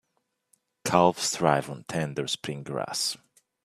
Calves thrive on tender spring grass.